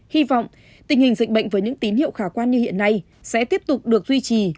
hy vọng tình hình dịch bệnh với những tín hiệu khả quan như hiện nay sẽ tiếp tục được duy trì